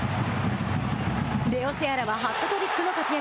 レオ・セアラはハットトリックの活躍。